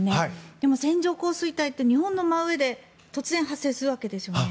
でも、線状降水帯って日本の真上で突然、発生するわけですよね。